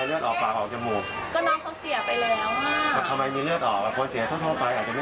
ก็ต้องไปชนะสูตรที่โรงพยาบาลครับ